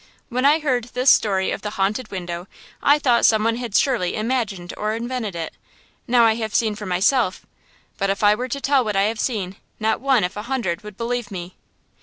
When I heard this story of the haunted window I thought some one had surely imagined or invented it! Now I have seen for myself; but if I were to tell what I have seen not one if a hundred would believe me!"